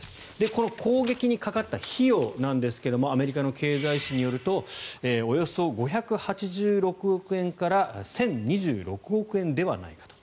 この攻撃にかかった費用なんですけどもアメリカの経済誌によるとおよそ５８６億円から１０２６億円ではないかと。